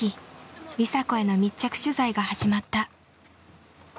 梨紗子への密着取材が始まった。